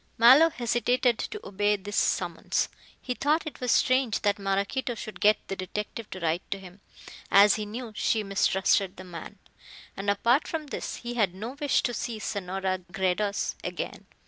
Mallow hesitated to obey this summons. He thought it was strange that Maraquito should get the detective to write to him, as he knew she mistrusted the man. And, apart from this, he had no wish to see Senora Gredos again.